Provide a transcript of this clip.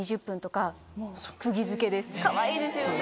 かわいいですよね。